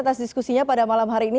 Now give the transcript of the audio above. atas diskusinya pada malam hari ini